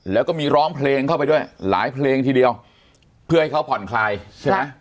แล้วก็มีร้องเพลงเข้าไปด้วยหลายเพลงทีเดียวเพื่อให้เขาผ่อนคลายใช่ไหม